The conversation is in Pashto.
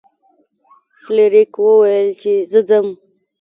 فلیریک وویل چې زه ځم.